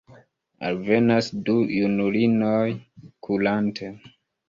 Alvenas du junulinoj kurante.